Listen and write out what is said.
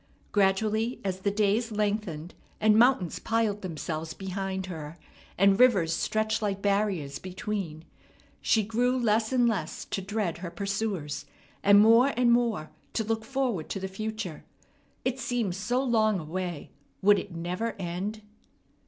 Gradually, as the days lengthened, and mountains piled themselves behind her, and rivers stretched like barriers between, she grew less and less to dread her pursuers, and more and more to look forward to the future. It seemed so long a way! Would it never end?